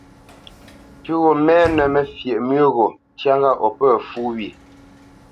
Pʉ̌ gho mɛnə́ məfyeʼ mú gho ntyá ŋgâʼ o pə̂ fú wye.